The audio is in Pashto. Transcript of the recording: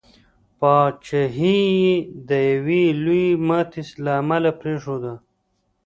پاچهي یې د یوي لويي ماتي له امله پرېښودله.